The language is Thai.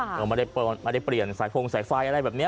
แล้วมันไม่ได้เปลี่ยนสายโพงสายไฟอะไรแบบเนี้ย